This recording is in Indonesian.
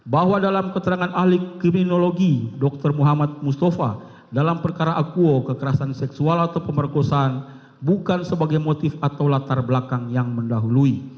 bahwa dalam keterangan ahli kriminologi dr muhammad mustafa dalam perkara akuo kekerasan seksual atau pemerkosaan bukan sebagai motif atau latar belakang yang mendahului